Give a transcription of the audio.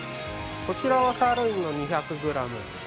こちらはサーロインの２００グラム。